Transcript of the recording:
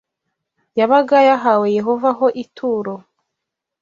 yabaga yahawe Yehova ho ituro